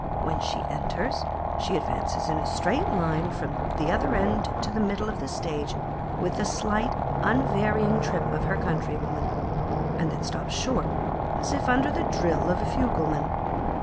When she enters, she advances in a straight line from the other end to the middle of the stage with the slight unvarying trip of her countrywomen, and then stops short, as if under the drill of a fugleman.